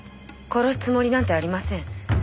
殺すつもりなんてありません。